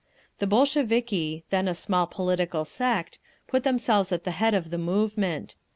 The Bolsheviki, then a small political sect, put themselves at the head of the movement.